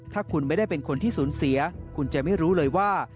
ถ้าคุณไม่ได้เป็นคนที่สูญเสียคุณจะไม่รู้เลยว่า